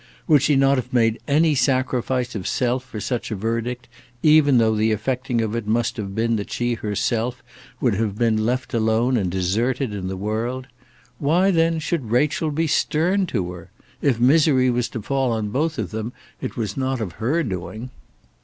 Would she not have made any sacrifice of self for such a verdict, even though the effecting of it must have been that she herself would have been left alone and deserted in the world? Why, then, should Rachel be stern to her? If misery was to fall on both of them, it was not of her doing.